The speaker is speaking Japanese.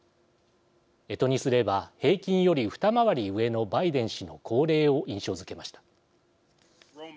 干支にすれば平均よりふた回り上のバイデン氏の高齢を印象づけました。